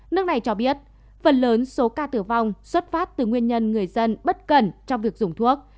nước này cho biết phần lớn số ca tử vong xuất phát từ nguyên nhân người dân bất cẩn trong việc dùng thuốc